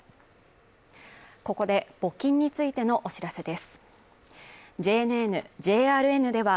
ここで募金についてのお知らせです